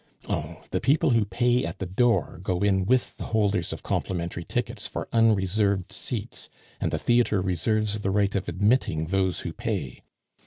"Oh! the people who pay at the door go in with the holders of complimentary tickets for unreserved seats, and the theatre reserves the right of admitting those who pay.